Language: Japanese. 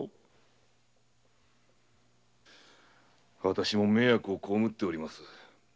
私も迷惑を被っております。